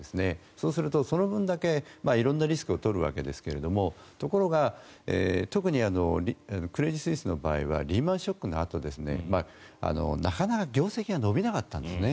そうすると、その分だけ色んなリスクを取るわけですがところが特にクレディ・スイスの場合はリーマン・ショックのあとなかなか業績が伸びなかったんですね。